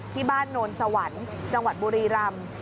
ที่บ้านโนนสวรรค์จังหวัดบุรีรำ